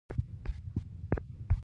وروسته خپره شوه !